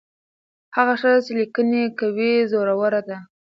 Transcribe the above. هغه ښځه چې لیکنې کوي زړوره ده.